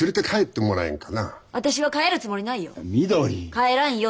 帰らんよ